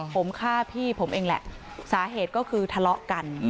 ผมฆ่าพี่ผมเองแหละสาเหตุก็คือทะเลาะกัน